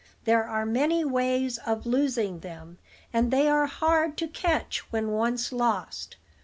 There are many ways of losing them, and they are hard to catch when once lost.